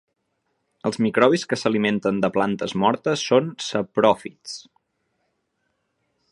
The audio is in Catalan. Els microbis que s'alimenten de plantes mortes són sapròfits.